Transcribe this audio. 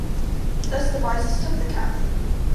Thus, devices that took the Cat.